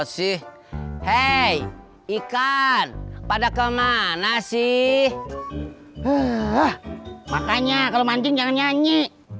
sih hey ikan pada kemana sih makanya kalau mancing jangan nyanyi